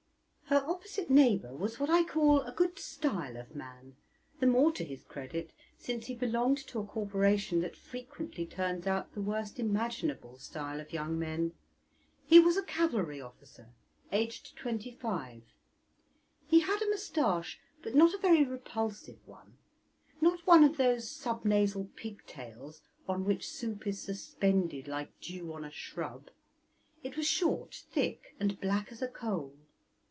Her opposite neighbour was what I call a good style of man, the more to his credit since he belonged to a corporation that frequently turns out the worst imaginable style of young men. He was a cavalry officer, aged twenty five. He had a moustache, but not a very repulsive one not one of those subnasal pigtails on which soup is suspended like dew on a shrub; it was short, thick, and black as a coal.